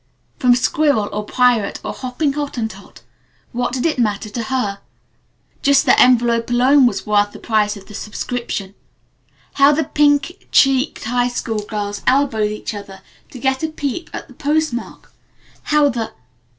From Squirrel or Pirate or Hopping Hottentot what did it matter to her? Just the envelope alone was worth the price of the subscription. How the pink cheeked high school girls elbowed each other to get a peep at the post mark! How the